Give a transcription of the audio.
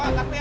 oh boleh deh